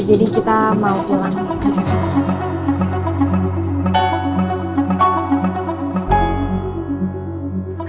jadi kita mau pulang nih